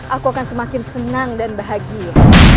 aku akan semakin senang dan bahagia